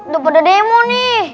udah pada demo nih